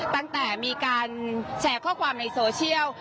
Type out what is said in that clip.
ตั้งแต่มีการแชร์ข้อความในโซเชียล